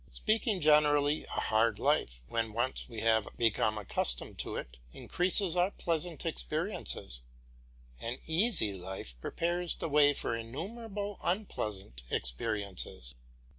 Speaking generally, a hard life, when once we have become used to it, increases our pleasant experiences; an easy life prepares the way for innumerable unpleasant experiences.